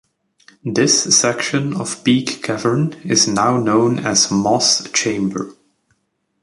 This section of Peak Cavern is now known as Moss Chamber.